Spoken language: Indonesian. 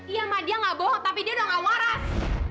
iya mah dia gak bohong tapi dia udah gak waras